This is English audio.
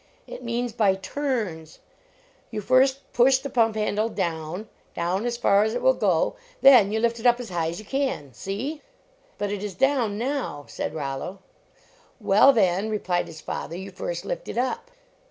It means by turns; you first push the pump handle down down, as far as it will go ; then you lift it up as high as you can. See? "" But it is down, now," said Rollo. "Well, then," replied his father, "you first lift it up."